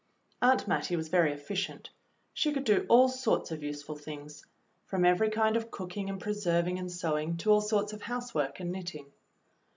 Aunt Mattie was very efficient. She could do all sorts of useful things, from every kind of cooking and preserving and sewing to all sorts of housework and knitting.